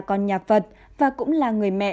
con nhà phật và cũng là người mẹ